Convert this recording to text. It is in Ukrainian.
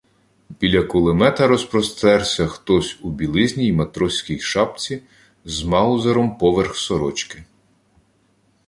Біля кулемета розпростерся хтось у білизні й матроській шапці, з "Маузером” поверх сорочки.